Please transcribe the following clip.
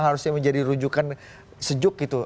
harusnya menjadi rujukan sejuk gitu